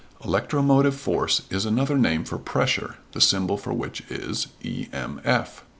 Electromotive force is another name for pressure; the symbol for which is _E.M.F.